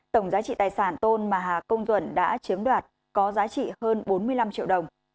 tổng giá trị tài sản tôn mà hà công duẩn đã chiếm đoạt có giá trị hơn bốn mươi năm triệu đồng